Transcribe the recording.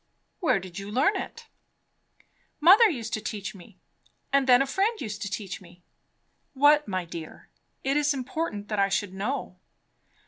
Where did you learn it?" "Mother used to teach me and then a friend used to teach me." "What, my dear? It is important that I should know."